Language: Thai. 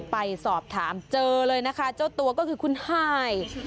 ไปสอบถามเจอเลยนะคะเจ้าตัวก็คือคุณไฮ